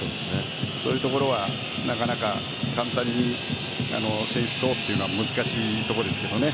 そういうところはなかなか簡単に選手層は難しいところですけどね。